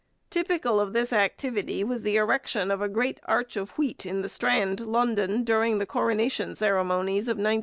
Typical of this activity was the erection of a great arch of wheat in the Strand, London, during the Coronation ceremonies of 1902.